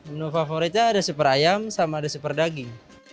menu favoritnya ada super ayam sama ada super daging